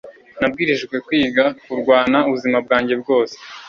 Nabwirijwe kwiga kurwana ubuzima bwanjye bwose